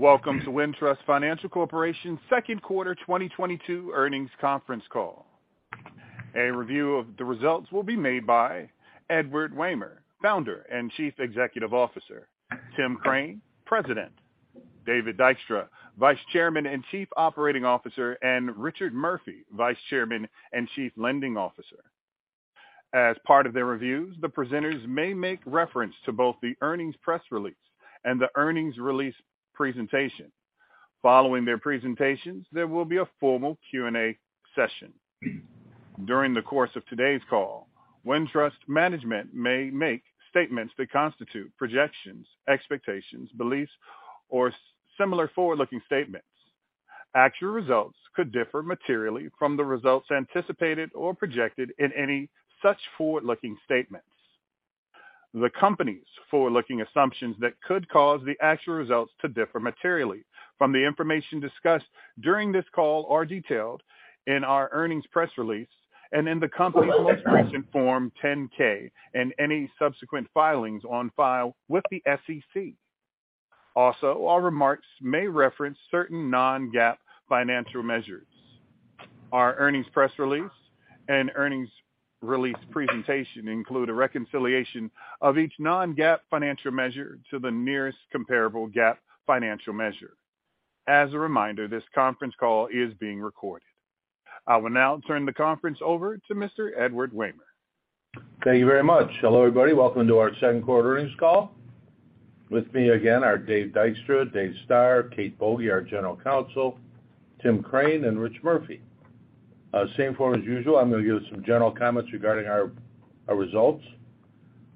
Welcome to Wintrust Financial Corporation's second quarter 2022 earnings conference call. A review of the results will be made by Edward Wehmer, Founder and Chief Executive Officer, Tim Crane, President, David Dykstra, Vice Chairman and Chief Operating Officer, and Richard Murphy, Vice Chairman and Chief Lending Officer. As part of their reviews, the presenters may make reference to both the earnings press release and the earnings release presentation. Following their presentations, there will be a formal Q&A session. During the course of today's call, Wintrust management may make statements that constitute projections, expectations, beliefs, or similar forward-looking statements. Actual results could differ materially from the results anticipated or projected in any such forward-looking statements. The Company's forward-looking assumptions that could cause the actual results to differ materially from the information discussed during this call are detailed in our earnings press release and in the Company's most recent Form 10-K and any subsequent filings on file with the SEC. Our remarks may reference certain non-GAAP financial measures. Our earnings press release and earnings release presentation include a reconciliation of each non-GAAP financial measure to the nearest comparable GAAP financial measure. As a reminder, this conference call is being recorded. I will now turn the conference over to Mr. Edward Wehmer. Thank you very much. Hello, everybody. Welcome to our second quarter earnings call. With me again are Dave Dykstra, Dave Stoehr, Kate Boege, our General Counsel, Tim Crane, and Rich Murphy. Same form as usual. I'm gonna give some general comments regarding our results.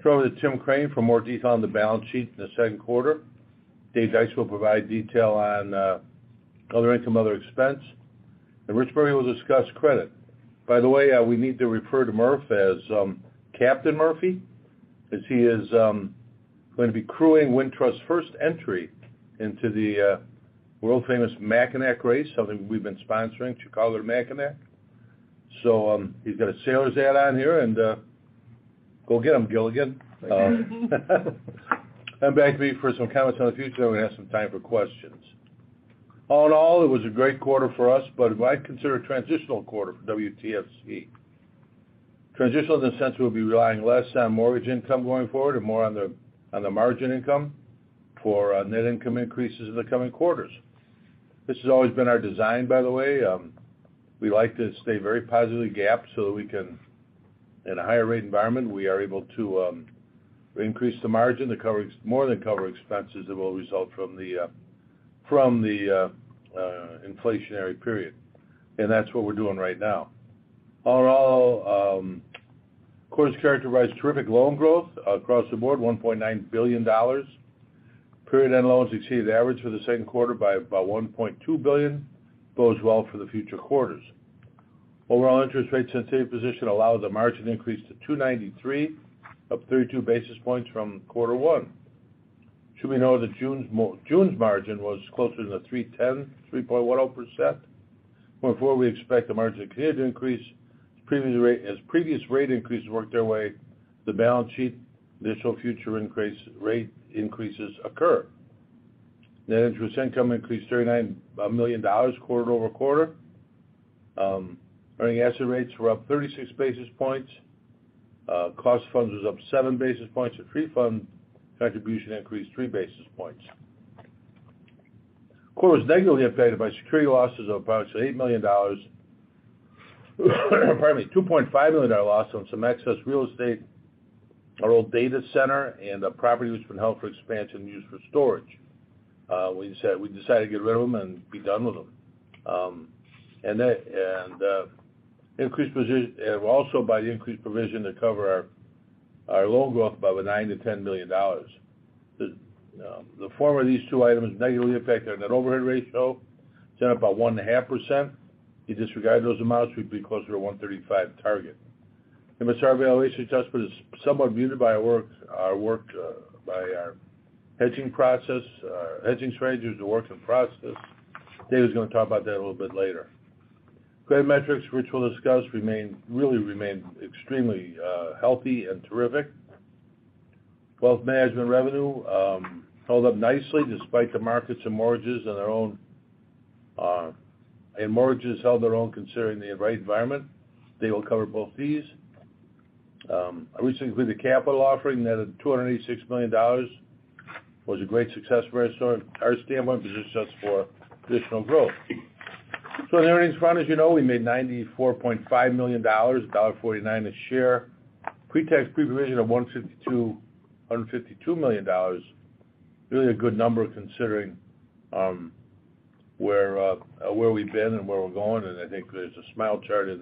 Turning to Tim Crane for more detail on the balance sheet in the second quarter. Dave Dykstra will provide detail on other income, other expense. Rich Murphy will discuss credit. By the way, we need to refer to Murph as Captain Murphy as he is going to be crewing Wintrust's first entry into the world-famous Mackinac race, something we've been sponsoring, Chicago to Mackinac. He's got a sailor's hat on here and go get them, Gilligan. Come back to me for some comments on the future, and we have some time for questions. All in all, it was a great quarter for us, but what I consider a transitional quarter for WTFC. Transitional in the sense we'll be relying less on mortgage income going forward and more on the margin income for net income increases in the coming quarters. This has always been our design, by the way. We like to stay very positively gapped so that we can in a higher rate environment, we are able to increase the margin to more than cover expenses that will result from the inflationary period. That's what we're doing right now. All in all, quarters characterized terrific loan growth across the board, $1.9 billion. Period-end loans exceeded average for the second quarter by about $1.2 billion, bodes well for the future quarters. Overall interest rate-sensitive position allowed the margin to increase to 2.93%, up 32 basis points from quarter one. We should note that June's margin was closer to 3.10%. Going forward, we expect the margin to continue to increase as previous rate increases work their way through the balance sheet, additional future rate increases occur. Net interest income increased $39 million quarter-over-quarter. Earning asset rates were up 36 basis points. Cost of funds was up 7 basis points, and free funds contribution increased 3 basis points. Quarter was negatively affected by security losses of approximately $8 million. Pardon me, $2.5 million loss on some excess real estate, our old data center, and a property that's been held for expansion used for storage. We decided to get rid of them and be done with them and also the increased provision to cover our loan growth by $9 million-$10 million. The former of these two items negatively affected our net overhead ratio. It's been about 1.5%. You disregard those amounts, we'd be closer to 1.35% target. MSR valuation adjustment is somewhat muted by our work by our hedging process, hedging strategies, the works in process. Dave is gonna talk about that a little bit later. Credit metrics, which we'll discuss, remain really extremely healthy and terrific. Wealth management revenue held up nicely despite the markets and mortgages on their own, and mortgages held their own considering the rate environment. They will cover both fees. We recently included a capital offering that at $286 million was a great success from our standpoint, positions us for additional growth. On the earnings front, as you know, we made $94.5 million, $1.49 a share. Pre-tax, pre-provision of $152 million. Really a good number considering where we've been and where we're going, and I think there's a slide chart in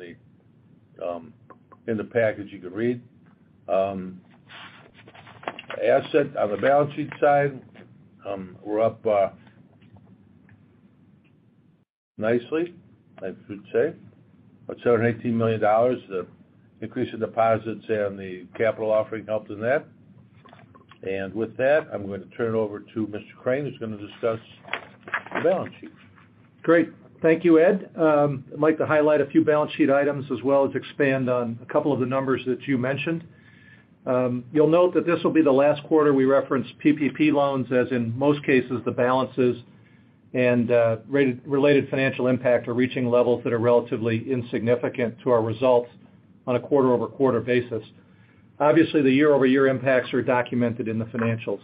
the package you can read. Assets on the balance sheet side, we're up nicely, I should say. About $718 million. The increase in deposits and the capital offering helped in that. With that, I'm going to turn it over to Mr. Crane, who's going to discuss the balance sheet. Great. Thank you, Ed. I'd like to highlight a few balance sheet items as well as expand on a couple of the numbers that you mentioned. You'll note that this will be the last quarter we reference PPP loans, as in most cases, the balances and related financial impact are reaching levels that are relatively insignificant to our results on a quarter-over-quarter basis. Obviously, the year-over-year impacts are documented in the financials.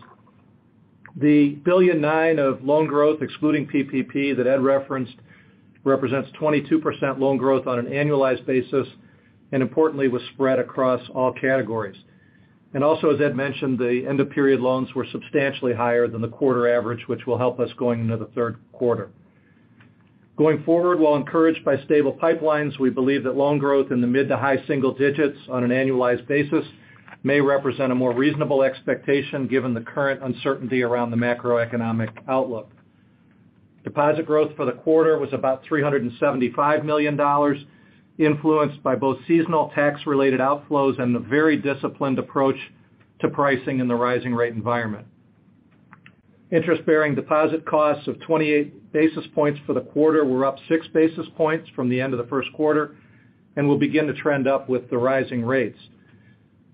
The $1.9 billion of loan growth, excluding PPP that Ed referenced, represents 22% loan growth on an annualized basis, and importantly, was spread across all categories. As Ed mentioned, the end-of-period loans were substantially higher than the quarter average, which will help us going into the third quarter. Going forward, while encouraged by stable pipelines, we believe that loan growth in the mid to high single digits on an annualized basis may represent a more reasonable expectation given the current uncertainty around the macroeconomic outlook. Deposit growth for the quarter was about $375 million, influenced by both seasonal tax-related outflows and a very disciplined approach to pricing in the rising rate environment. Interest-bearing deposit costs of 28 basis points for the quarter were up 6 basis points from the end of the first quarter and will begin to trend up with the rising rates.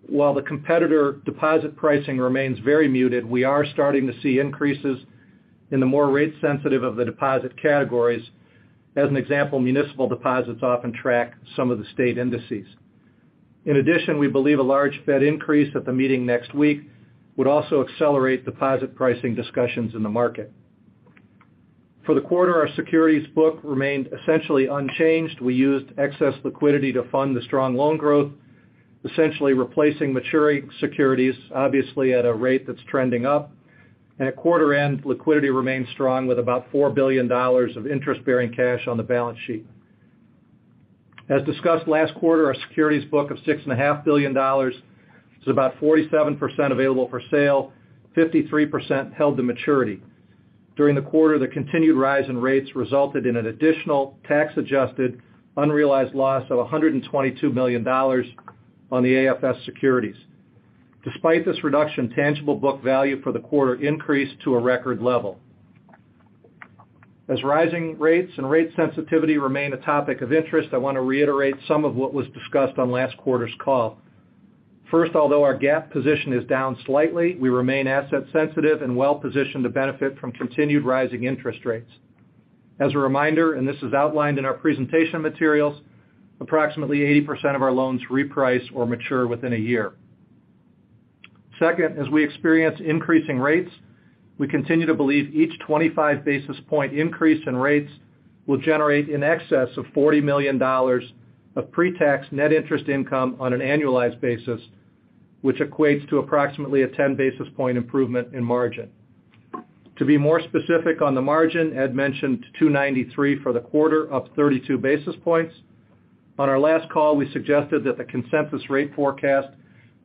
While the competitor deposit pricing remains very muted, we are starting to see increases in the more rate-sensitive of the deposit categories. As an example, municipal deposits often track some of the state indices. In addition, we believe a large Fed increase at the meeting next week would also accelerate deposit pricing discussions in the market. For the quarter, our securities book remained essentially unchanged. We used excess liquidity to fund the strong loan growth, essentially replacing maturing securities, obviously at a rate that's trending up. At quarter end, liquidity remained strong with about $4 billion of interest-bearing cash on the balance sheet. As discussed last quarter, our securities book of $6.5 billion is about 47% available for sale, 53% held to maturity. During the quarter, the continued rise in rates resulted in an additional tax-adjusted unrealized loss of $122 million on the AFS securities. Despite this reduction, tangible book value for the quarter increased to a record level. As rising rates and rate sensitivity remain a topic of interest, I want to reiterate some of what was discussed on last quarter's call. First, although our GAAP position is down slightly, we remain asset sensitive and well-positioned to benefit from continued rising interest rates. As a reminder, and this is outlined in our presentation materials, approximately 80% of our loans reprice or mature within a year. Second, as we experience increasing rates, we continue to believe each 25 basis point increase in rates will generate in excess of $40 million of pretax net interest income on an annualized basis, which equates to approximately a 10 basis point improvement in margin. To be more specific on the margin, Ed mentioned 2.93% for the quarter, up 32 basis points. On our last call, we suggested that the consensus rate forecast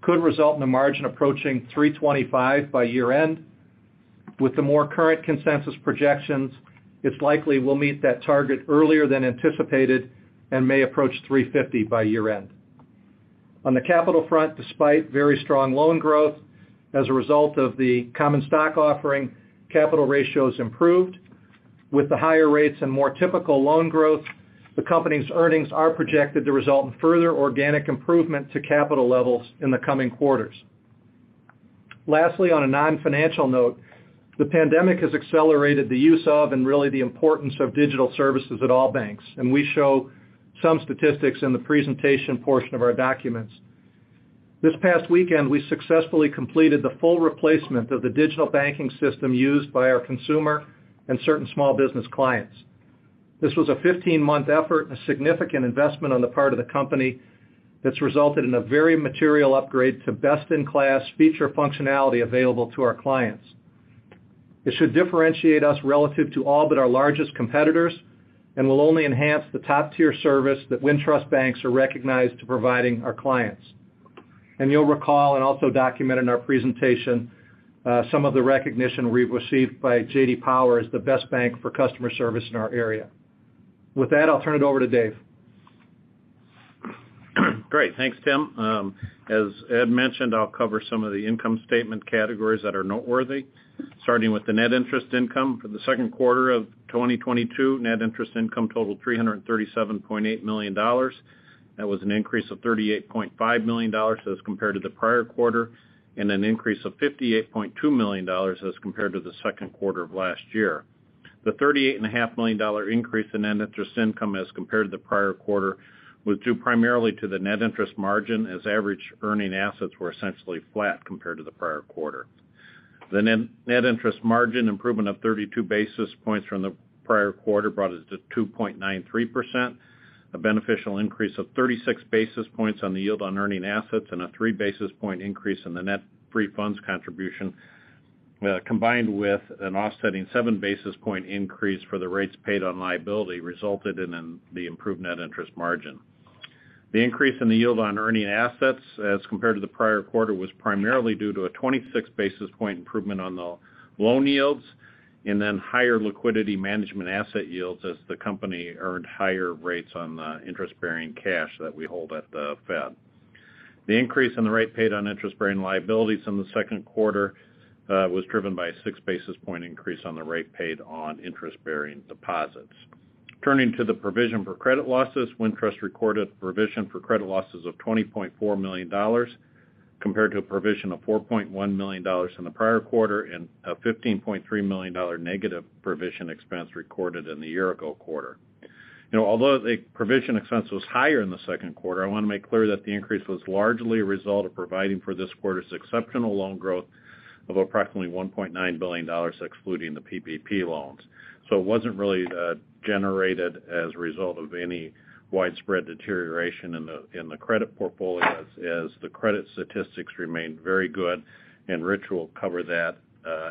could result in a margin approaching 3.25% by year-end. With the more current consensus projections, it's likely we'll meet that target earlier than anticipated and may approach 3.50% by year-end. On the capital front, despite very strong loan growth, as a result of the common stock offering, capital ratios improved. With the higher rates and more typical loan growth, the company's earnings are projected to result in further organic improvement to capital levels in the coming quarters. Lastly, on a non-financial note, the pandemic has accelerated the use of and really the importance of digital services at all banks, and we show some statistics in the presentation portion of our documents. This past weekend, we successfully completed the full replacement of the digital banking system used by our consumer and certain small business clients. This was a 15-month effort and a significant investment on the part of the company that's resulted in a very material upgrade to best-in-class feature functionality available to our clients. It should differentiate us relative to all but our largest competitors and will only enhance the top-tier service that Wintrust banks are recognized to providing our clients. You'll recall, and also document in our presentation, some of the recognition we've received by JD Power as the best bank for customer service in our area. With that, I'll turn it over to Dave. Great. Thanks, Tim. As Ed mentioned, I'll cover some of the income statement categories that are noteworthy, starting with the net interest income. For the second quarter of 2022, net interest income totaled $337.8 million. That was an increase of $38.5 million as compared to the prior quarter and an increase of $58.2 million as compared to the second quarter of last year. The $38.5 million increase in net interest income as compared to the prior quarter was due primarily to the net interest margin, as average earning assets were essentially flat compared to the prior quarter. The net interest margin improvement of 32 basis points from the prior quarter brought us to 2.93%. A beneficial increase of 36 basis points on the yield on earning assets and a 3 basis point increase in the net free funds contribution, combined with an offsetting 7 basis point increase for the rates paid on liability resulted in the improved net interest margin. The increase in the yield on earning assets as compared to the prior quarter was primarily due to a 26 basis point improvement on the loan yields and then higher liquidity management asset yields as the company earned higher rates on the interest-bearing cash that we hold at the Fed. The increase in the rate paid on interest-bearing liabilities in the second quarter was driven by a 6 basis point increase on the rate paid on interest-bearing deposits. Turning to the provision for credit losses, Wintrust recorded provision for credit losses of $20.4 million compared to a provision of $4.1 million in the prior quarter and a $15.3 million negative provision expense recorded in the year-ago quarter. You know, although the provision expense was higher in the second quarter, I want to make clear that the increase was largely a result of providing for this quarter's exceptional loan growth of approximately $1.9 billion, excluding the PPP loans. It wasn't really generated as a result of any widespread deterioration in the credit portfolio as the credit statistics remained very good. Rich will cover that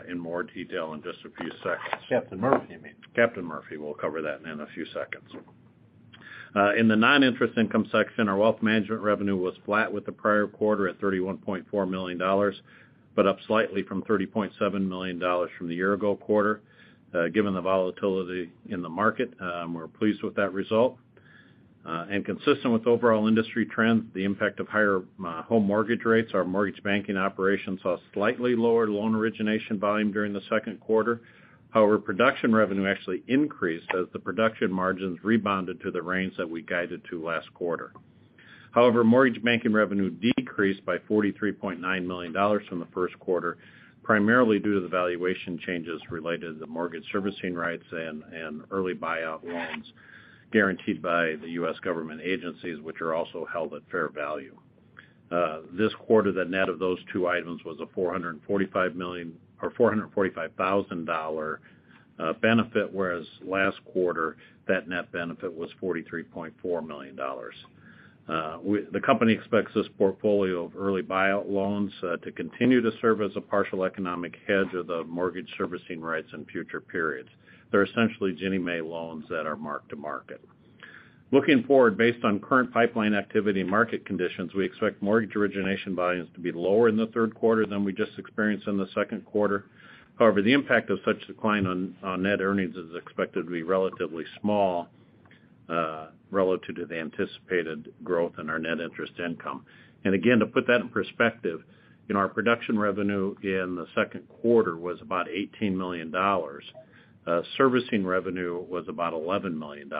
in more detail in just a few seconds. Captain Murphy, you mean. Captain Murphy will cover that in a few seconds. In the non-interest income section, our wealth management revenue was flat with the prior quarter at $31.4 million, but up slightly from $30.7 million from the year-ago quarter. Given the volatility in the market, we're pleased with that result. And consistent with overall industry trends, the impact of higher home mortgage rates, our mortgage banking operation saw slightly lower loan origination volume during the second quarter. However, production revenue actually increased as the production margins rebounded to the range that we guided to last quarter. However, mortgage banking revenue decreased by $43.9 million from the first quarter, primarily due to the valuation changes related to the mortgage servicing rights and early buyout loans guaranteed by the U.S. government agencies, which are also held at fair value. This quarter, the net of those two items was a $445,000 benefit, whereas last quarter, that net benefit was $43.4 million. The company expects this portfolio of early buyout loans to continue to serve as a partial economic hedge of the mortgage servicing rights in future periods. They're essentially Ginnie Mae loans that are mark-to-market. Looking forward, based on current pipeline activity and market conditions, we expect mortgage origination volumes to be lower in the third quarter than we just experienced in the second quarter. However, the impact of such decline on net earnings is expected to be relatively small relative to the anticipated growth in our net interest income. Again, to put that in perspective, you know, our production revenue in the second quarter was about $18 million. Servicing revenue was about $11 million.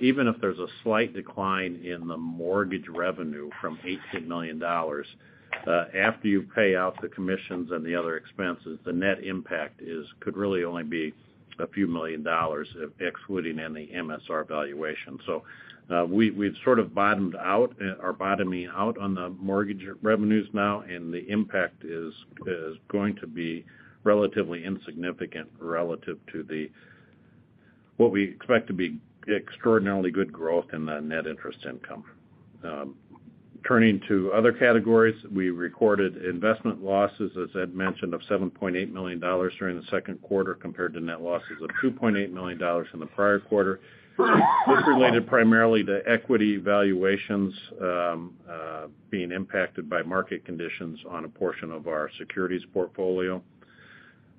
Even if there's a slight decline in the mortgage revenue from $18 million, after you pay out the commissions and the other expenses, the net impact could really only be a few million dollars excluding any MSR valuation. We, we've sort of bottomed out or bottoming out on the mortgage revenues now, and the impact is going to be relatively insignificant relative to the what we expect to be extraordinarily good growth in the net interest income. Turning to other categories, we recorded investment losses, as Ed mentioned, of $7.8 million during the second quarter compared to net losses of $2.8 million in the prior quarter. This related primarily to equity valuations, being impacted by market conditions on a portion of our securities portfolio.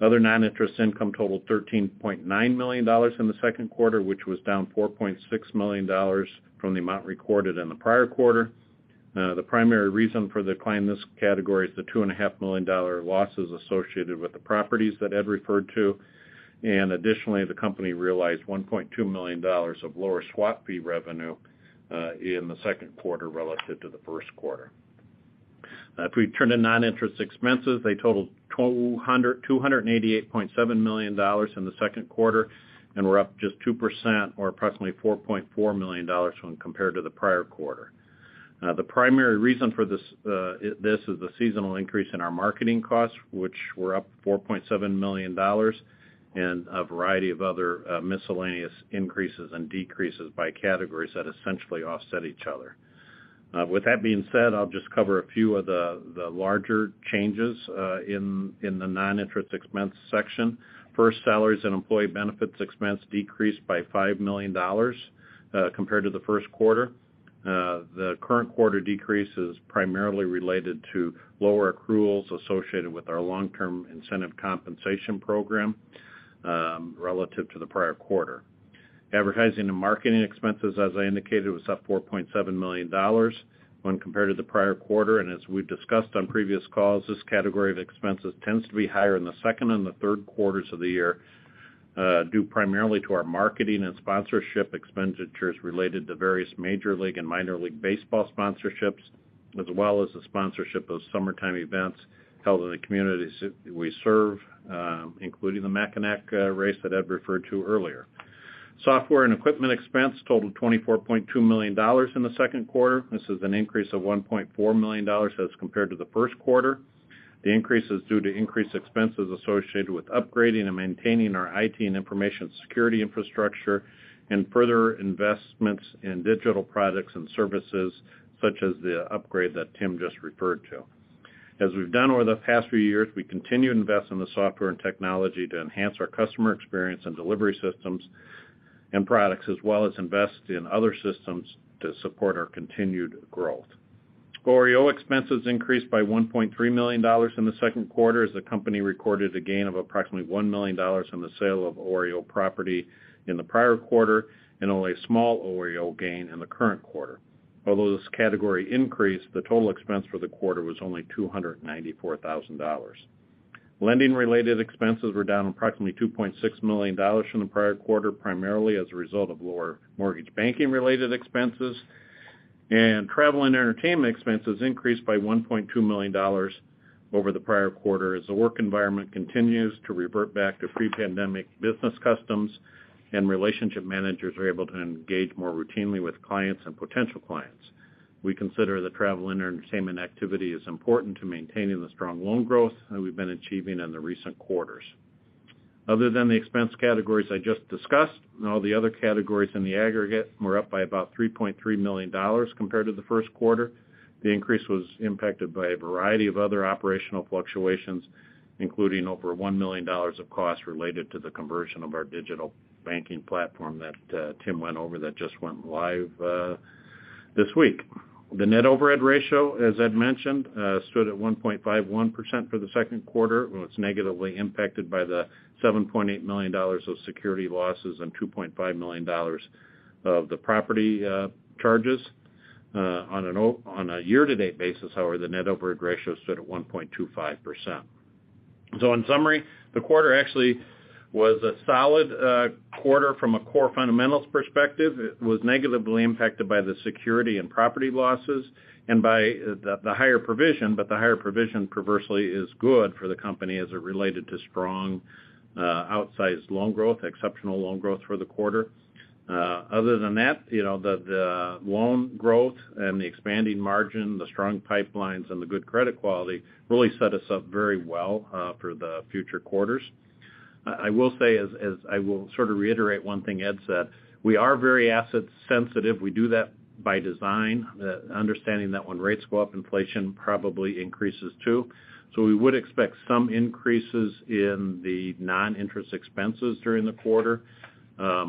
Other non-interest income totaled $13.9 million in the second quarter, which was down $4.6 million from the amount recorded in the prior quarter. The primary reason for the decline in this category is the $2.5 million losses associated with the properties that Ed referred to. Additionally, the company realized $1.2 million of lower swap fee revenue, in the second quarter relative to the first quarter. If we turn to non-interest expenses, they totaled $288.7 million in the second quarter and were up just 2% or approximately $4.4 million when compared to the prior quarter. The primary reason for this is the seasonal increase in our marketing costs, which were up $4.7 million and a variety of other miscellaneous increases and decreases by categories that essentially offset each other. With that being said, I'll just cover a few of the larger changes in the non-interest expense section. First, salaries and employee benefits expense decreased by $5 million compared to the first quarter. The current quarter decrease is primarily related to lower accruals associated with our long-term incentive compensation program relative to the prior quarter. Advertising and marketing expenses, as I indicated, was up $4.7 million when compared to the prior quarter. As we've discussed on previous calls, this category of expenses tends to be higher in the second and the third quarters of the year, due primarily to our marketing and sponsorship expenditures related to various Major League and Minor League baseball sponsorships, as well as the sponsorship of summertime events held in the communities that we serve, including the Mackinac race that Ed referred to earlier. Software and equipment expense totaled $24.2 million in the second quarter. This is an increase of $1.4 million as compared to the first quarter. The increase is due to increased expenses associated with upgrading and maintaining our IT and information security infrastructure and further investments in digital products and services, such as the upgrade that Tim just referred to. As we've done over the past few years, we continue to invest in the software and technology to enhance our customer experience and delivery systems and products, as well as invest in other systems to support our continued growth. OREO expenses increased by $1.3 million in the second quarter as the company recorded a gain of approximately $1 million on the sale of OREO property in the prior quarter and only a small OREO gain in the current quarter. Although this category increased, the total expense for the quarter was only $294,000. Lending related expenses were down approximately $2.6 million from the prior quarter, primarily as a result of lower mortgage banking related expenses. Travel and entertainment expenses increased by $1.2 million over the prior quarter as the work environment continues to revert back to pre-pandemic business customs and relationship managers are able to engage more routinely with clients and potential clients. We consider the travel and entertainment activity as important to maintaining the strong loan growth that we've been achieving in the recent quarters. Other than the expense categories I just discussed, all the other categories in the aggregate were up by about $3.3 million compared to the first quarter. The increase was impacted by a variety of other operational fluctuations, including over $1 million of costs related to the conversion of our digital banking platform that Tim went over that just went live this week. The net overhead ratio, as Ed mentioned, stood at 1.51% for the second quarter. It was negatively impacted by the $7.8 million of security losses and $2.5 million of the property charges. On a year-to-date basis, however, the net overhead ratio stood at 1.25%. In summary, the quarter actually was a solid quarter from a core fundamentals perspective. It was negatively impacted by the security and property losses and by the higher provision, but the higher provision perversely is good for the company as it related to strong, outsized loan growth, exceptional loan growth for the quarter. Other than that, you know, the loan growth and the expanding margin, the strong pipelines, and the good credit quality really set us up very well for the future quarters. I will say as I will sort of reiterate one thing Ed said, we are very asset sensitive. We do that by design, understanding that when rates go up, inflation probably increases too. So we would expect some increases in the non-interest expenses during the quarter.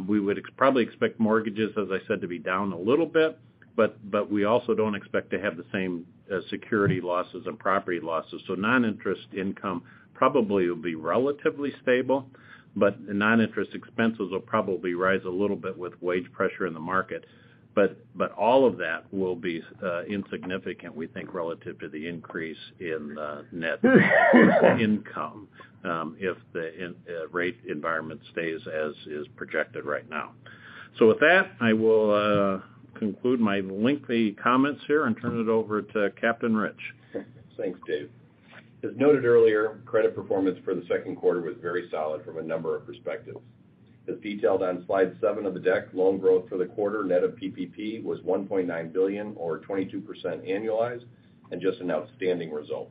We would probably expect mortgages, as I said, to be down a little bit, but we also don't expect to have the same security losses and property losses. So non-interest income probably will be relatively stable, but non-interest expenses will probably rise a little bit with wage pressure in the market. All of that will be insignificant, we think, relative to the increase in net income, if the interest rate environment stays as is projected right now. With that, I will conclude my lengthy comments here and turn it over to Captain Murphy. Thanks, Dave. As noted earlier, credit performance for the second quarter was very solid from a number of perspectives. As detailed on slide seven of the deck, loan growth for the quarter net of PPP was $1.9 billion or 22% annualized and just an outstanding result.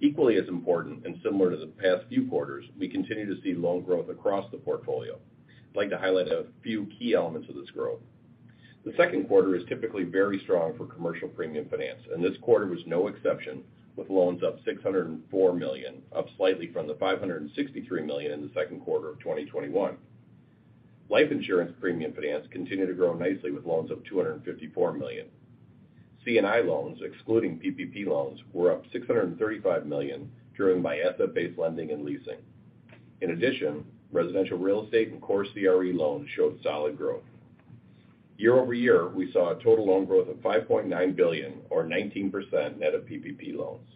Equally as important, and similar to the past few quarters, we continue to see loan growth across the portfolio. I'd like to highlight a few key elements of this growth. The second quarter is typically very strong for commercial premium finance, and this quarter was no exception, with loans up $604 million, up slightly from the $563 million in the second quarter of 2021. Life insurance premium finance continued to grow nicely with loans of $254 million. C&I loans, excluding PPP loans, were up $635 million, driven by asset-based lending and leasing. In addition, residential real estate and core CRE loans showed solid growth. Year-over-year, we saw a total loan growth of $5.9 billion, or 19% net of PPP loans.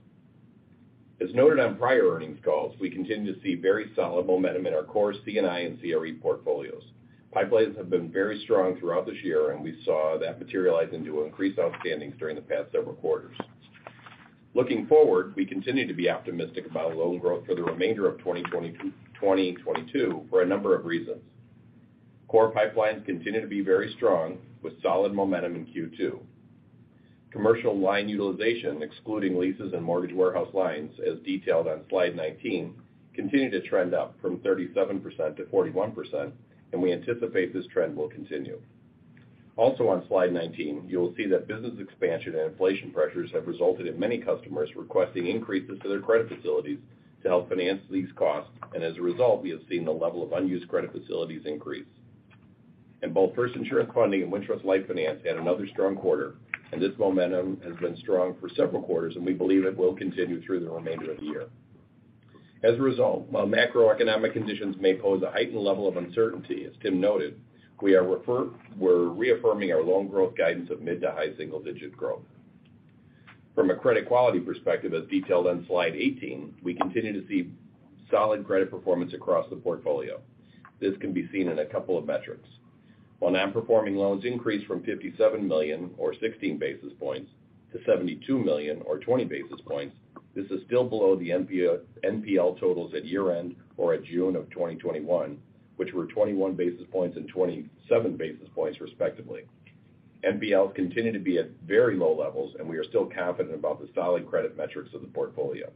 As noted on prior earnings calls, we continue to see very solid momentum in our core C&I and CRE portfolios. Pipelines have been very strong throughout this year, and we saw that materialize into increased outstandings during the past several quarters. Looking forward, we continue to be optimistic about loan growth for the remainder of 2022 for a number of reasons. Core pipelines continue to be very strong with solid momentum in Q2. Commercial line utilization, excluding leases and mortgage warehouse lines, as detailed on slide 19, continue to trend up from 37% to 41%, and we anticipate this trend will continue. Also on slide 19, you will see that business expansion and inflation pressures have resulted in many customers requesting increases to their credit facilities to help finance these costs, and as a result, we have seen the level of unused credit facilities increase. Both First Insurance Funding and Wintrust Life Finance had another strong quarter, and this momentum has been strong for several quarters, and we believe it will continue through the remainder of the year. As a result, while macroeconomic conditions may pose a heightened level of uncertainty, as Tim noted, we're reaffirming our loan growth guidance of mid- to high-single-digit growth. From a credit quality perspective, as detailed on slide 18, we continue to see solid credit performance across the portfolio. This can be seen in a couple of metrics. While non-performing loans increased from $57 million or 16 basis points to $72 million or 20 basis points, this is still below the NPL totals at year-end or at June of 2021, which were 21 basis points and 27 basis points respectively. NPLs continue to be at very low levels, and we are still confident about the solid credit metrics of the portfolio.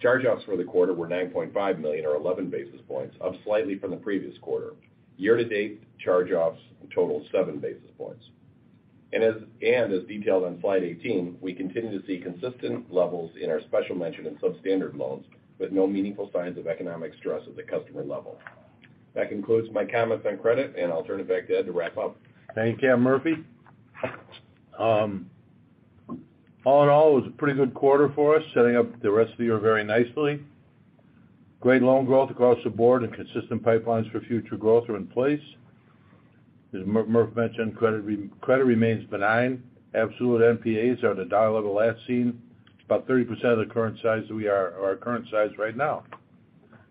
Charge-offs for the quarter were $9.5 million or 11 basis points, up slightly from the previous quarter. Year to date, charge-offs total 7 basis points. As detailed on slide 18, we continue to see consistent levels in our special mention in substandard loans with no meaningful signs of economic stress at the customer level. That concludes my comments on credit, and I'll turn it back to Ed to wrap up. Thank you, Captain Murphy. All in all, it was a pretty good quarter for us, setting up the rest of the year very nicely. Great loan growth across the board and consistent pipelines for future growth are in place. As Murph mentioned, credit quality remains benign. Absolute NPAs are at a dollar level last seen about 30% of the current size that we are or our current size right now.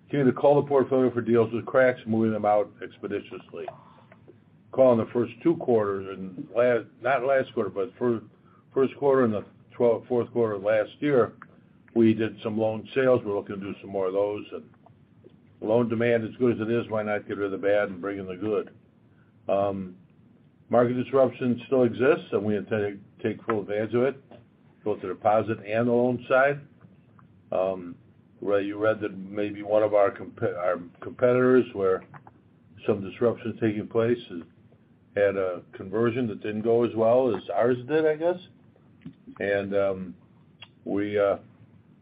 Continue to cull the portfolio for deals with cracks and moving them out expeditiously. Cull in the first two quarters, not last quarter, but first quarter and fourth quarter of last year, we did some loan sales. We're looking to do some more of those. Loan demand, as good as it is, why not get rid of the bad and bring in the good? Market disruption still exists, and we intend to take full advantage of it, both the deposit and the loan side. Where you read that maybe one of our competitors, where some disruption is taking place, has had a conversion that didn't go as well as ours did, I guess.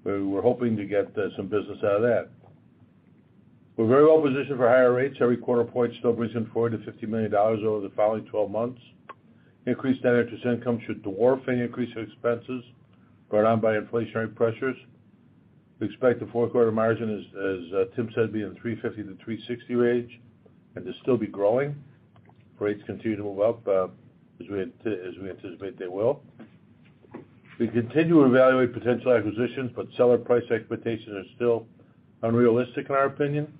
We're hoping to get some business out of that. We're very well positioned for higher rates. Every quarter point still brings in $40 million-$50 million over the following twelve months. Increased net interest income should dwarf any increase in expenses brought on by inflationary pressures. We expect the fourth quarter margin, as Tim said, to be in the 3.50%-3.60% range and to still be growing if rates continue to move up, as we anticipate they will. We continue to evaluate potential acquisitions, but seller price expectations are still unrealistic in our opinion.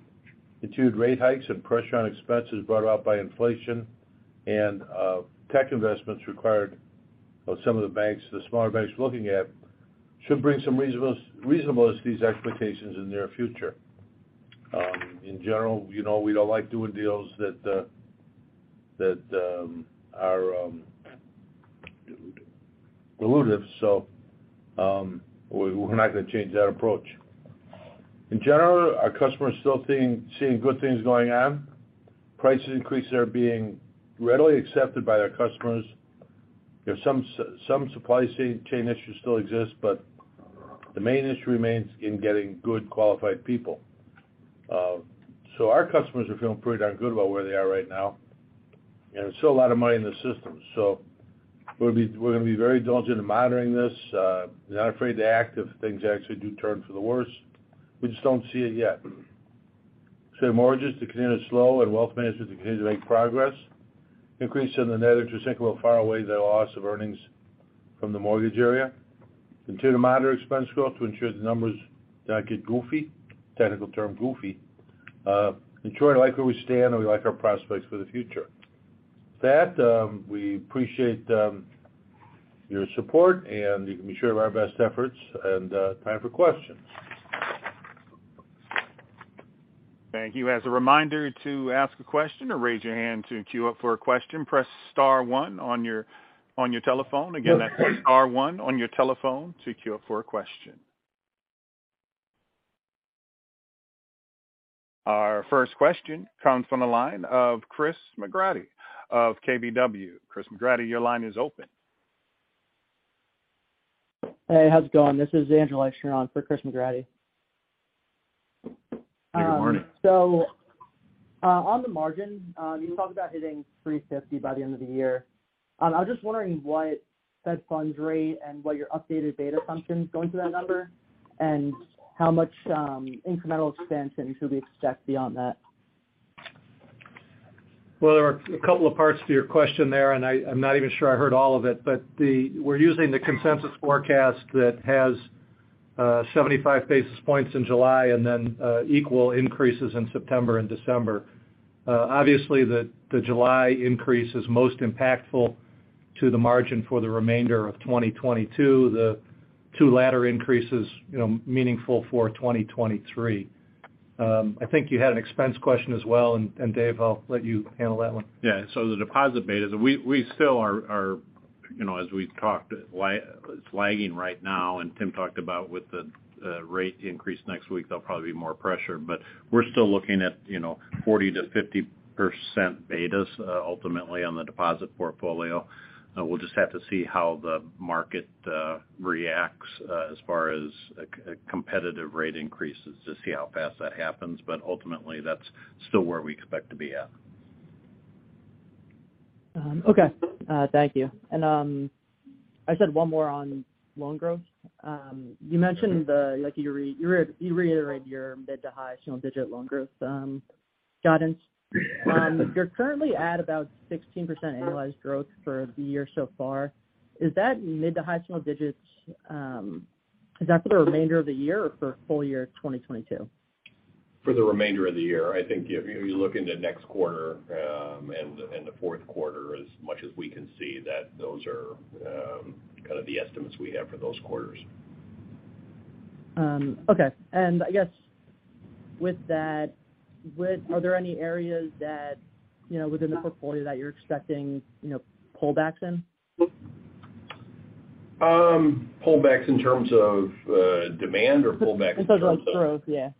Continued rate hikes and pressure on expenses brought about by inflation and tech investments required of some of the banks, the smaller banks we're looking at, should bring some reasonableness to these expectations in the near future. In general, you know, we don't like doing deals that are elusive. We're not gonna change that approach. In general, our customers still seeing good things going on. Price increases are being readily accepted by their customers. There are some supply chain issues still exist, but the main issue remains in getting good qualified people. Our customers are feeling pretty darn good about where they are right now, and there's still a lot of money in the system. We're gonna be very diligent in monitoring this, we're not afraid to act if things actually do turn for the worse. We just don't see it yet. Mortgages to continue to slow and wealth management to continue to make progress. Increase in the net interest income will far outweigh the loss of earnings from the mortgage area. Continue to monitor expense growth to ensure the numbers do not get goofy. Technical term, goofy. In short, I like where we stand, and we like our prospects for the future. With that, we appreciate your support, and you can be sure of our best efforts. Time for questions. Thank you. As a reminder, to ask a question or raise your hand to queue up for a question, press star one on your telephone. Again, that's star one on your telephone to queue up for a question. Our first question comes from the line of Chris McGratty of KBW. Chris McGratty, your line is open. Hey, how's it going? This is Andrew Leischner for Christopher McGratty. Good morning. On the margin, you talked about hitting 350 by the end of the year. I was just wondering what Fed funds rate and what your updated beta functions go into that number and how much incremental expense can we truly expect beyond that? Well, there are a couple of parts to your question there, and I'm not even sure I heard all of it. We're using the consensus forecast that has 75 basis points in July and then equal increases in September and December. Obviously, the July increase is most impactful to the margin for the remainder of 2022. The two latter increases, you know, meaningful for 2023. I think you had an expense question as well. Dave, I'll let you handle that one. Yeah, the deposit beta, we still are, you know, as we've talked, it's lagging right now. Tim talked about the rate increase next week, there'll probably be more pressure. We're still looking at, you know, 40%-50% betas ultimately on the deposit portfolio. We'll just have to see how the market reacts as far as competitive rate increases to see how fast that happens. Ultimately, that's still where we expect to be at. Okay. Thank you. I just had one more on loan growth. You mentioned you reiterated your mid to high single-digit loan growth guidance. You're currently at about 16% annualized growth for the year so far. Is that mid to high single-digits, is that for the remainder of the year or for full year 2022? For the remainder of the year. I think if you look into next quarter, and the fourth quarter, as much as we can see that those are, kind of the estimates we have for those quarters. I guess with that, are there any areas that, you know, within the portfolio that you're expecting, you know, pullbacks in? Pullbacks in terms of demand or pullbacks in terms of. In terms of growth, yeah.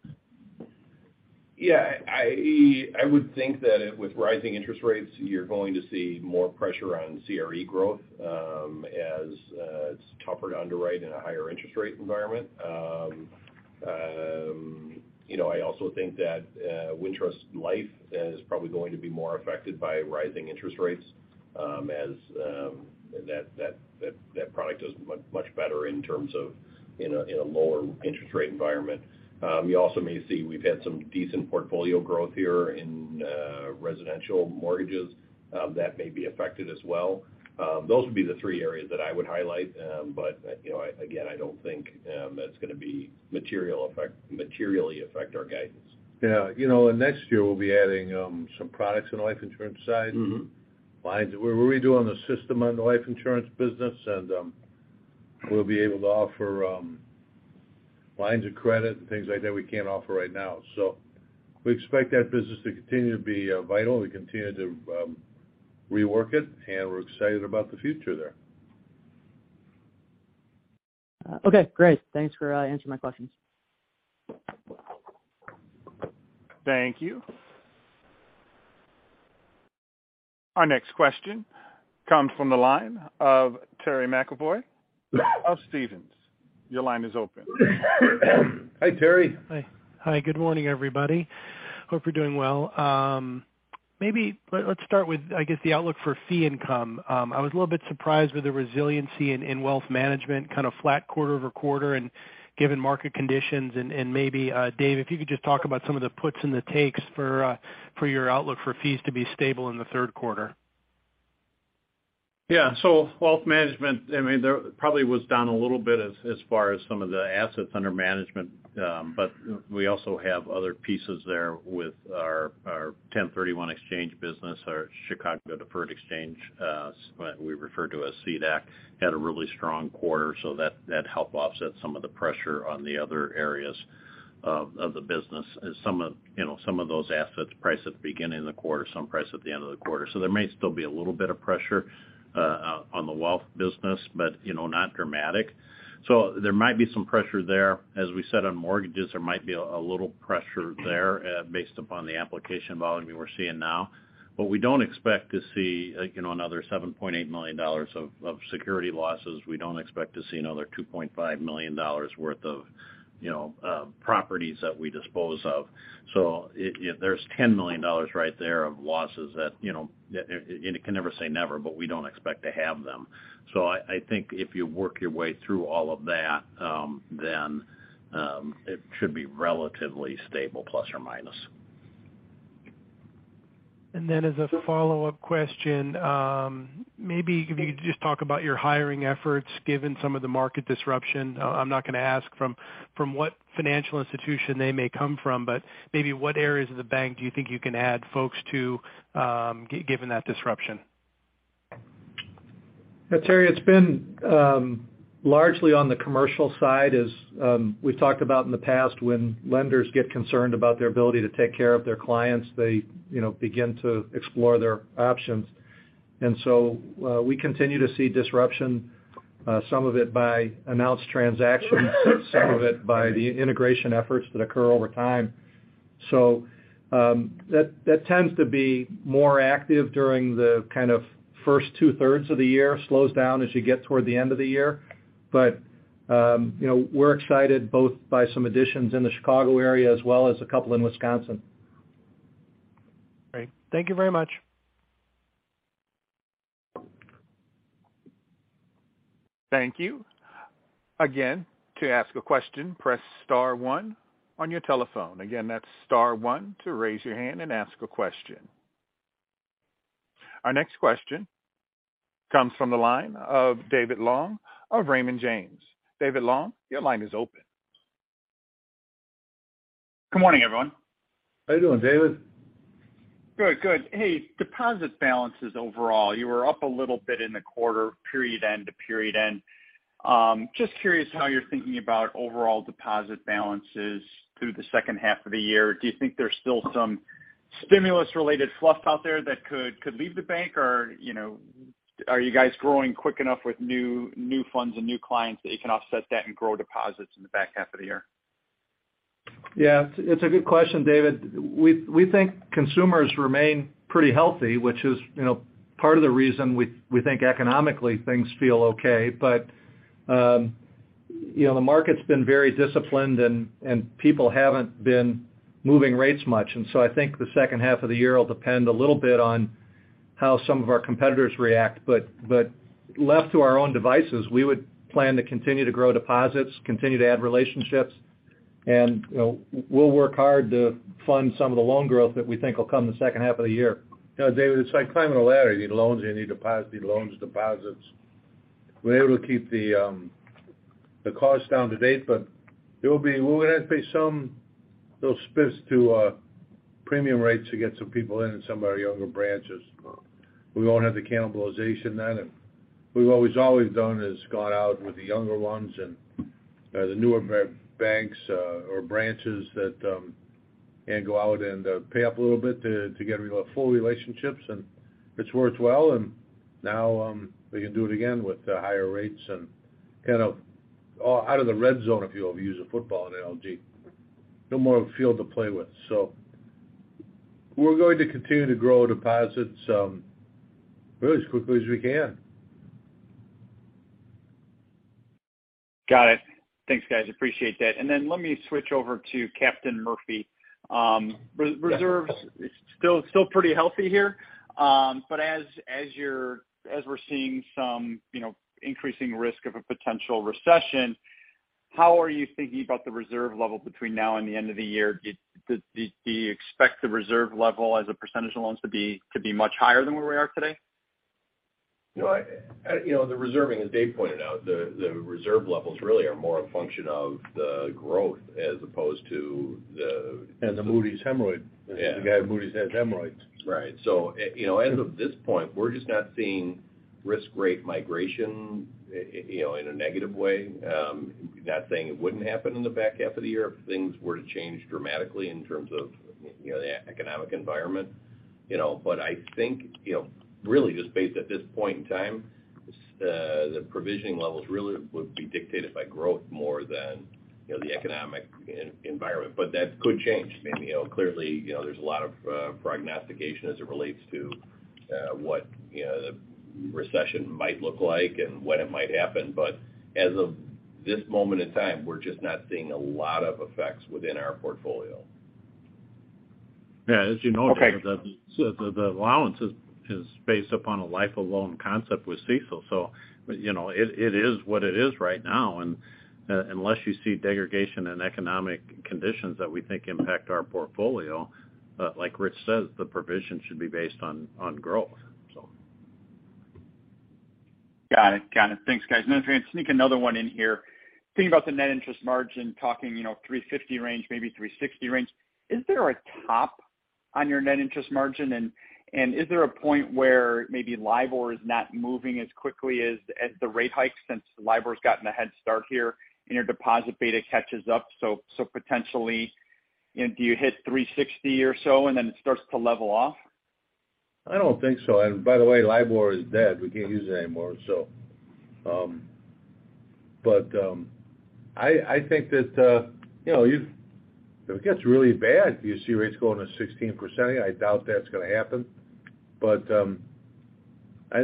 Yeah. I would think that with rising interest rates, you're going to see more pressure on CRE growth, as it's tougher to underwrite in a higher interest rate environment. You know, I also think that Wintrust Life is probably going to be more affected by rising interest rates. That product does much better in terms of a lower interest rate environment. You also may see we've had some decent portfolio growth here in residential mortgages, that may be affected as well. Those would be the three areas that I would highlight. You know, again, I don't think it's gonna materially affect our guidance. Yeah. You know, and next year we'll be adding some products on the life insurance side. Mm-hmm. Lines. We're redoing the system on the life insurance business, and we'll be able to offer lines of credit and things like that we can't offer right now. We expect that business to continue to be vital. We continue to rework it, and we're excited about the future there. Okay, great. Thanks for answering my questions. Thank you. Our next question comes from the line of Terry McEvoy of Stephens. Your line is open. Hi, Terry. Hi. Hi, good morning, everybody. Hope you're doing well. Let's start with, I guess, the outlook for fee income. I was a little bit surprised with the resiliency in wealth management, kind of flat quarter-over-quarter and given market conditions. Maybe Dave, if you could just talk about some of the puts and the takes for your outlook for fees to be stable in the third quarter. Yeah. Wealth management, I mean, there probably was down a little bit as far as some of the assets under management. We also have other pieces there with our 1031 exchange business. Our Chicago Deferred Exchange Company, we refer to as CDEC, had a really strong quarter, so that helped offset some of the pressure on the other areas of the business. Some of, you know, some of those assets priced at the beginning of the quarter, some priced at the end of the quarter. There may still be a little bit of pressure on the wealth business, but, you know, not dramatic. There might be some pressure there, as we said on mortgages. There might be a little pressure there based upon the application volume we're seeing now. We don't expect to see, you know, another $7.8 million of security losses. We don't expect to see another $2.5 million worth of, you know, properties that we dispose of. There's $10 million right there of losses that, you know, and you can never say never, but we don't expect to have them. I think if you work your way through all of that, then it should be relatively stable plus or minus. As a follow-up question, maybe if you could just talk about your hiring efforts given some of the market disruption. I'm not gonna ask from what financial institution they may come from, but maybe what areas of the bank do you think you can add folks to, given that disruption? Yeah, Terry, it's been largely on the commercial side as we've talked about in the past when lenders get concerned about their ability to take care of their clients, they, you know, begin to explore their options. We continue to see disruption, some of it by announced transactions, some of it by the integration efforts that occur over time. That tends to be more active during the kind of first two-thirds of the year. Slows down as you get toward the end of the year. You know, we're excited both by some additions in the Chicago area as well as a couple in Wisconsin. Great. Thank you very much. Thank you. Again, to ask a question, press star one on your telephone. Again, that's star one to raise your hand and ask a question. Our next question comes from the line of David Long of Raymond James. David Long, your line is open. Good morning, everyone. How you doing, David? Good. Good. Hey, deposit balances overall. You were up a little bit in the quarter, period end to period end. Just curious how you're thinking about overall deposit balances through the second half of the year. Do you think there's still some stimulus-related fluff out there that could leave the bank or, you know, are you guys growing quick enough with new funds and new clients that you can offset that and grow deposits in the back half of the year? Yeah, it's a good question, David. We think consumers remain pretty healthy, which is, you know, part of the reason we think economically things feel okay. You know, the market's been very disciplined and people haven't been moving rates much. I think the second half of the year will depend a little bit on how some of our competitors react. Left to our own devices, we would plan to continue to grow deposits, continue to add relationships, and, you know, we'll work hard to fund some of the loan growth that we think will come in the second half of the year. You know, David, it's like climbing a ladder. You need loans, you need deposits, you need loans, deposits. We're able to keep the costs down to date, but we're gonna have to pay some a little spiffs to premium rates to get some people in some of our younger branches. We won't have the cannibalization then. What we've always done is go out with the younger ones and the newer banks or branches and go out and pay up a little bit to get full relationships, and it's worked well. Now we can do it again with the higher rates and kind of out of the red zone, if you will, to use a football analogy. No more field to play with. We're going to continue to grow deposits really as quickly as we can. Got it. Thanks, guys. Appreciate that. Let me switch over to Captain Murphy. Reserves still pretty healthy here. As we're seeing some, you know, increasing risk of a potential recession, how are you thinking about the reserve level between now and the end of the year? Do you expect the reserve level as a percentage of loans to be much higher than where we are today? No, you know, the reserving, as Dave pointed out, the reserve levels really are more a function of the growth as opposed to the The Moody's hemorrhoids. Yeah. The guy at Moody's has hemorrhoids. Right. You know, as of this point, we're just not seeing risk rating migration, you know, in a negative way. Not saying it wouldn't happen in the back half of the year if things were to change dramatically in terms of, you know, the economic environment, you know. I think, you know, really just based at this point in time, the provisioning levels really would be dictated by growth more than, you know, the economic environment. That could change. I mean, you know, clearly, you know, there's a lot of prognostication as it relates to, what, you know, the recession might look like and when it might happen. As of this moment in time, we're just not seeing a lot of effects within our portfolio. Yeah. As you know. Okay The allowance is based upon a life of loan concept with CECL. You know, it is what it is right now. Unless you see degradation in economic conditions that we think impact our portfolio, like Rich says, the provision should be based on growth. Got it. Thanks, guys. If I can sneak another one in here. Thinking about the net interest margin, talking, you know, 3.50% range, maybe 3.60% range. Is there a top on your net interest margin? Is there a point where maybe LIBOR is not moving as quickly as the rate hikes since LIBOR's gotten a head start here, and your deposit beta catches up, so potentially, you know, do you hit 3.60% or so and then it starts to level off? I don't think so. By the way, LIBOR is dead. We can't use it anymore, so. I think that, you know, if it gets really bad, you see rates going to 16%. I doubt that's gonna happen. I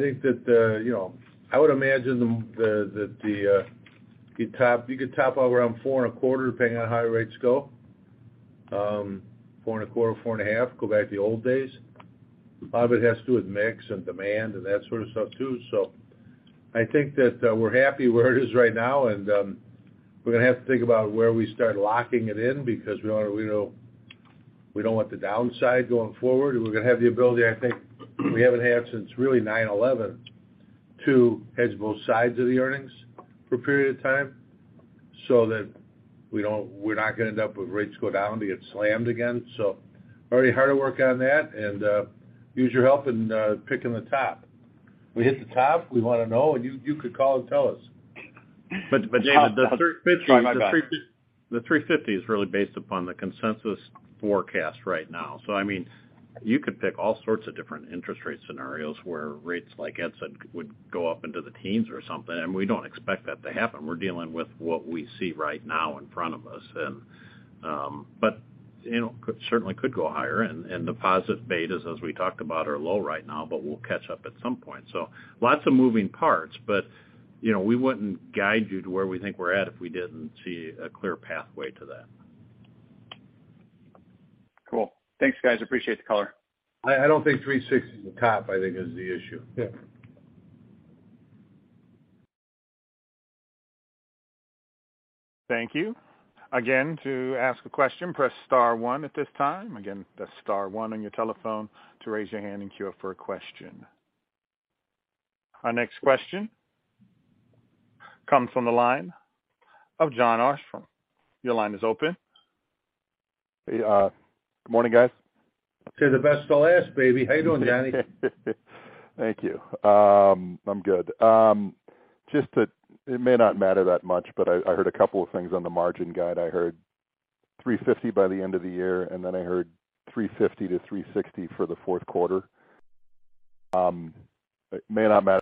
think that, you know, I would imagine that you could top out around 4.25%, depending on how high rates go. 4.25%, 4.5%, go back to the old days. A lot of it has to do with mix and demand and that sort of stuff, too. I think that we're happy where it is right now, and we're gonna have to think about where we start locking it in because we wanna, we don't want the downside going forward. We're gonna have the ability, I think, we haven't had since really 9/11 to hedge both sides of the earnings for a period of time so that we're not gonna end up with rates go down to get slammed again. Already hard at work on that and use your help in picking the top. We hit the top, we wanna know, and you could call and tell us. David, the 350- Sorry, my bad. The $3.50 is really based upon the consensus forecast right now. I mean, you could pick all sorts of different interest rate scenarios where rates, like Ed said, would go up into the teens or something, and we don't expect that to happen. We're dealing with what we see right now in front of us. You know, certainly could go higher. Deposit betas, as we talked about, are low right now, but we'll catch up at some point. Lots of moving parts, but, you know, we wouldn't guide you to where we think we're at if we didn't see a clear pathway to that. Cool. Thanks, guys. Appreciate the color. I don't think 360 is a top, I think it's the issue. Yeah. Thank you. Again, to ask a question, press star one at this time. Again, press star one on your telephone to raise your hand and queue up for a question. Our next question comes from the line of Jon Arfstrom. Your line is open. Hey, good morning, guys. Say the best I'll ask, baby. How you doing, Johnny? Thank you. I'm good. It may not matter that much, but I heard a couple of things on the margin guidance. I heard 3.50% by the end of the year, and then I heard 3.50%-3.60% for the fourth quarter. It may not matter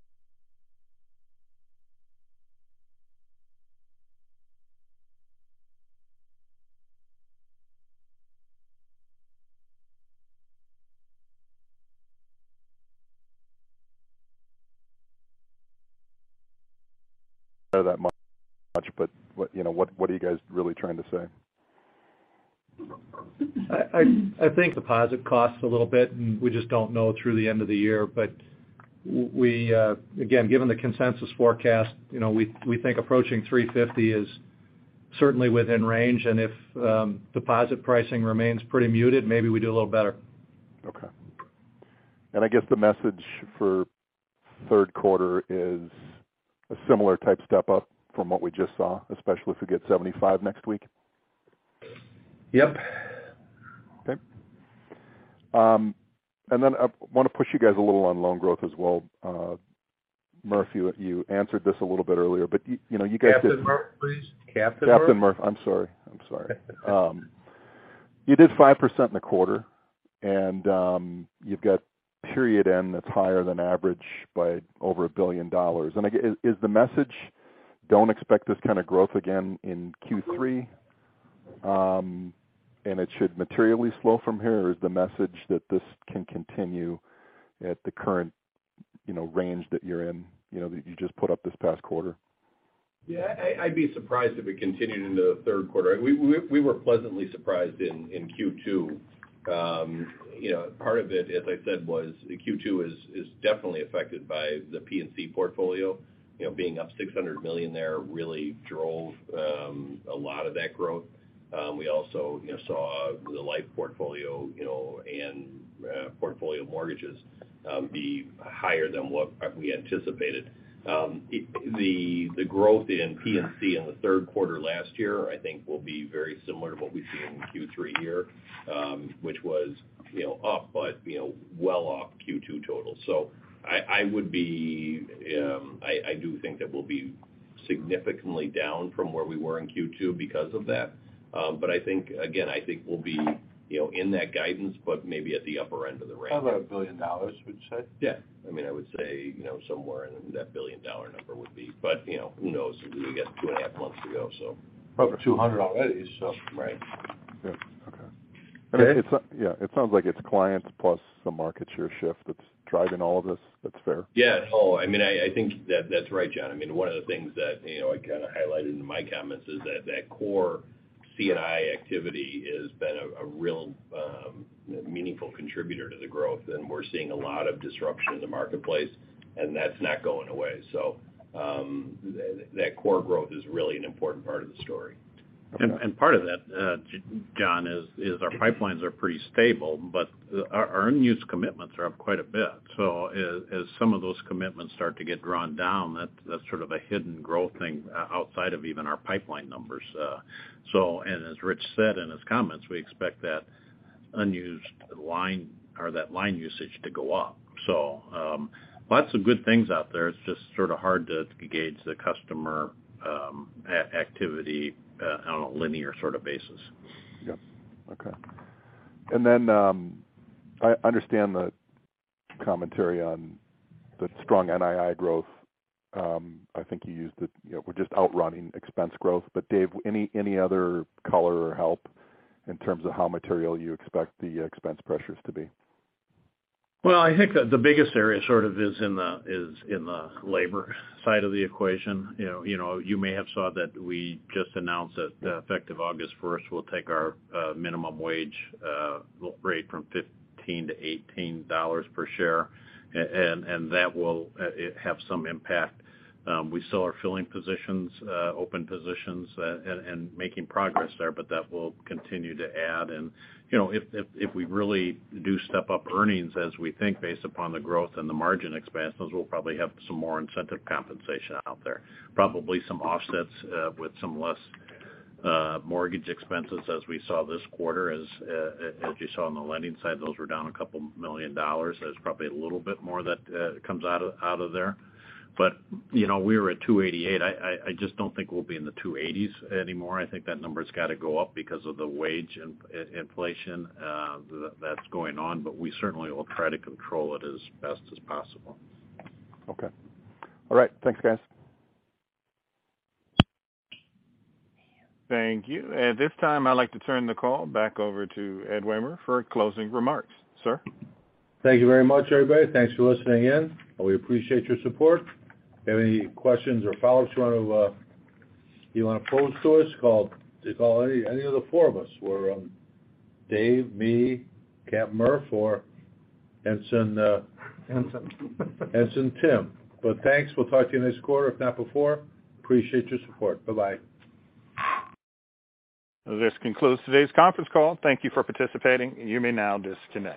that much, but what, you know, what are you guys really trying to say? I think deposit costs a little bit, and we just don't know through the end of the year. We, again, given the consensus forecast, you know, we think approaching 3.50% is certainly within range. If deposit pricing remains pretty muted, maybe we do a little better. Okay. I guess the message for third quarter is a similar type step up from what we just saw, especially if we get 75 next week? Yep. Okay. I wanna push you guys a little on loan growth as well. Murph, you answered this a little bit earlier, but you know, you guys. Captain Murphy, please. Captain Murphy. I'm sorry. You did 5% in the quarter, and you've got period end that's higher than average by over $1 billion. Is the message, don't expect this kind of growth again in Q3? It should materially slow from here? Or is the message that this can continue at the current, you know, range that you're in, you know, that you just put up this past quarter? Yeah. I'd be surprised if it continued into the third quarter. We were pleasantly surprised in Q2. You know, part of it, as I said, was Q2 is definitely affected by the P&C portfolio. You know, being up $600 million there really drove a lot of that growth. We also, you know, saw the life portfolio, you know, and portfolio mortgages be higher than what we anticipated. The growth in P&C in the third quarter last year, I think will be very similar to what we see in Q3 here, which was, you know, up but, you know, well off Q2 total. I would be, I do think that we'll be significantly down from where we were in Q2 because of that. I think, again, I think we'll be, you know, in that guidance, but maybe at the upper end of the range. How about $1 billion, would you say? Yeah. I mean, I would say, you know, somewhere in that billion-dollar number would be. You know, who knows? We got two and a half months to go, so. Up 200 already, so. Right. Yeah. Okay. Dave? Yeah, it sounds like it's clients plus some market share shift that's driving all of this. That's fair? Yes. Oh, I mean, I think that's right, Jon. I mean, one of the things that, you know, I kind of highlighted in my comments is that core C&I activity has been a real meaningful contributor to the growth, and we're seeing a lot of disruption in the marketplace, and that's not going away. That core growth is really an important part of the story. Okay. Part of that, Jon, is our pipelines are pretty stable, but our unused commitments are up quite a bit. As some of those commitments start to get drawn down, that's sort of a hidden growth thing outside of even our pipeline numbers. As Rich said in his comments, we expect that unused line or that line usage to go up. Lots of good things out there. It's just sort of hard to gauge the customer activity on a linear sort of basis. Yep. Okay. Then, I understand the commentary on the strong NII growth. I think you used it, you know, we're just outrunning expense growth. But Dave, any other color or help in terms of how material you expect the expense pressures to be? Well, I think the biggest area sort of is in the labor side of the equation. You know, you may have saw that we just announced that effective August first, we'll take our minimum wage rate from $15 to $18 per share, and that will have some impact. We still are filling positions, open positions and making progress there, but that will continue to add. You know, if we really do step up earnings as we think, based upon the growth and the margin expansions, we'll probably have some more incentive compensation out there. Probably some offsets with some less mortgage expenses as we saw this quarter. As you saw on the lending side, those were down $2 million. There's probably a little bit more that comes out of there. You know, we were at 288. I just don't think we'll be in the 280s anymore. I think that number's gotta go up because of the wage inflation that's going on, but we certainly will try to control it as best as possible. Okay. All right. Thanks, guys. Thank you. At this time, I'd like to turn the call back over to Ed Wehmer for closing remarks. Sir? Thank you very much, everybody. Thanks for listening in, and we appreciate your support. If you have any questions or follow-ups you want to pose to us, just call any of the four of us. We're Dave, me, Captain Murphy or Handsome. Handsome Handsome Tim. Thanks. We'll talk to you next quarter, if not before. Appreciate your support. Bye-bye. This concludes today's conference call. Thank you for participating. You may now disconnect.